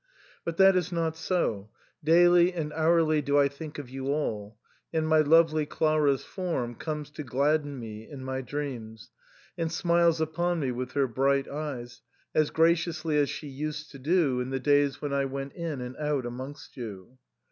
But that is not so ; daily and hourly do I think of you all, and my lovely Clara's form comes to gladden me in my dreams, and smiles upon me with her bright eyes, as graciously as she used to do in the days when I went in and out amongst you.